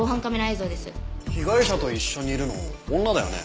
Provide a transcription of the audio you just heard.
被害者と一緒にいるの女だよね？